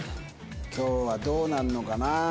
今日はどうなるのかな？